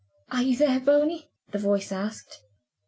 "Are you there, Bony?" the voice asked.